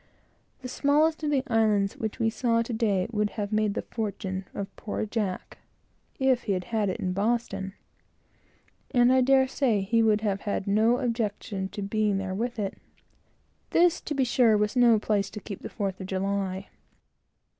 The smallest of the islands which we saw today would have made the fortune of poor Jack, if he had had it in Boston; and I dare say he would have had no objection to being there with it. This, to be sure, was no place to keep the fourth of July.